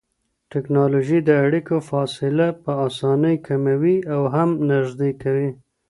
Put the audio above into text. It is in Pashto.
ټکنالوژي د اړيکو فاصله په اسانۍ کموي او هم نږدې کوي.